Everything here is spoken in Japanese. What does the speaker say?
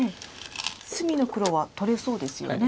隅の黒は取れそうですよね。